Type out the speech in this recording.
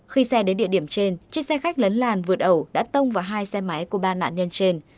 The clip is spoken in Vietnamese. khi xe đến địa điểm trên chiếc xe khách lấn làn vượt ẩu đã tông vào hai xe máy của ba nạn nhân trên